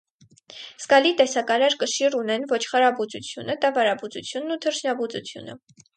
Զգալի տեսակարար կշիռ ունեն ոչխարաբուծությունը, տավարաբուծությունն ու թռչնաբուծությունը։